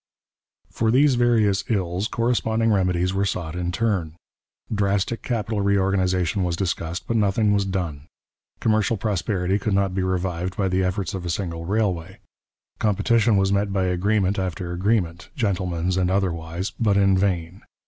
For these various ills corresponding remedies were sought in turn. Drastic capital reorganization was discussed, but nothing was done. Commercial prosperity could not be revived by the efforts of a single railway. Competition was met by agreement after agreement, 'gentleman's' and otherwise, but in vain.